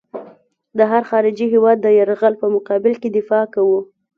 د هر خارجي هېواد د یرغل په مقابل کې دفاع کوو.